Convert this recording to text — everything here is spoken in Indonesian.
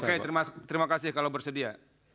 oke terima kasih kalau bersedia